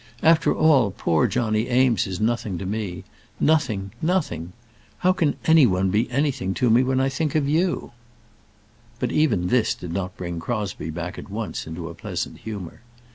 After all poor Johnny Eames is nothing to me; nothing, nothing. How can any one be anything to me when I think of you?" But even this did not bring Crosbie back at once into a pleasant humour.